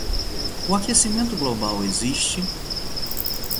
O aquecimento global existe?